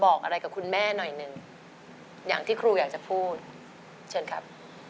บอกอะไรกับคุณแม่หน่อยหนึ่งอย่างที่ครูอยากจะพูดเชิญครับ